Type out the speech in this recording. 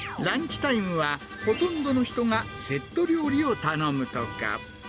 ランチタイムはほとんどの人がセット料理を頼むとか。